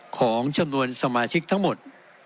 ของจำนวนสมาชิกทั้งหมด